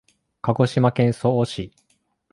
鹿児島県曽於市